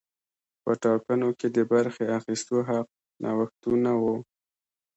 په ټاکنو کې د برخې اخیستو حق نوښتونه وو.